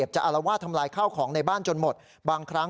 เพื่อนแม่ของเราด้วยกัน